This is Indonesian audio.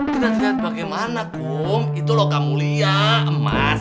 tidak terlihat bagaimana kum itu logam mulia emas